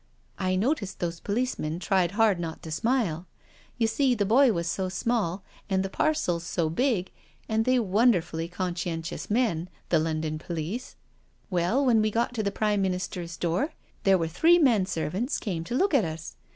I noticed those policemen tried hard not to smile. You see, the boy was so small and the parcels so big, and they are wonderfully conscientious men, the London police I Well, when we got to the Prime Minister's door, there were three menservants came to look at us.